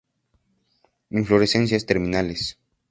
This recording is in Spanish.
Inflorescencias terminales.